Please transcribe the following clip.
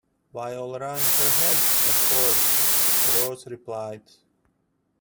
‘Why all round her head, of course,’ the Rose replied.